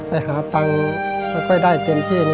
ไปหาตังค์ไม่ได้เต็มที่